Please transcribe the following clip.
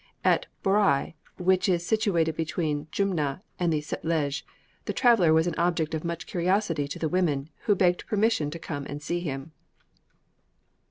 At Boria, which is situated between the Jumna and the Sutlej, the traveller was an object of much curiosity to the women, who begged permission to come and see him.